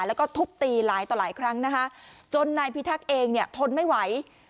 แล้วก็ทุบตีหลายต่อหลายครั้งนะคะจนนายพิทักษ์เองเนี่ยทนไม่ไหว